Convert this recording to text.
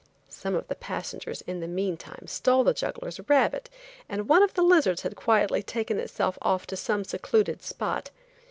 Some of the passengers in the mean time stole the juggler's rabbit, and one of the lizards had quietly taken itself off to some secluded spot.